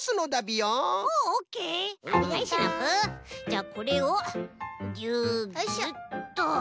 じゃあこれをギュギュッと。